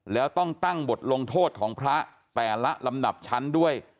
แล้วต้องตั้งบทลงโทษของพระแต่ละลำดับชั้นด้วย